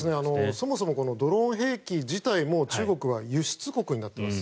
そもそもこのドローン兵器自体も中国は輸出国になっています。